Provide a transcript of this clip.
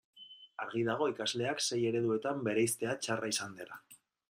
Argi dago ikasleak sei ereduetan bereiztea txarra izan dela.